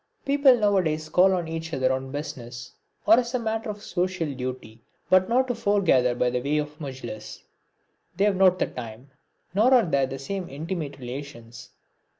People now a days call on each other on business, or as a matter of social duty, but not to foregather by way of mujlis. They have not the time, nor are there the same intimate relations!